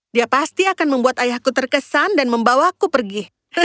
dia pasti akan membuat ayahku terkesan dan membawaku pergi